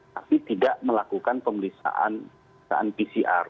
tapi tidak melakukan pemeriksaan pcr